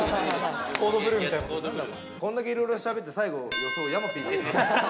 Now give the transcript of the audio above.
こんだけいろいろ喋って最後予想、山Ｐ。